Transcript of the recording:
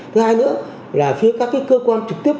thứ hai nữa là phía các cơ quan trực tiếp